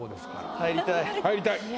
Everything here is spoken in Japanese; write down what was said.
入りたい。